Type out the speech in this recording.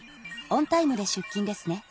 オンタイムで出勤ですね。